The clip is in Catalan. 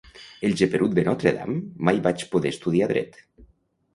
El geperut de Notre-Dame: mai vaig poder estudiar Dret.